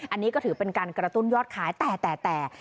อันนี้ก็ถือเป็นการกระตุ้นยอดขายแต่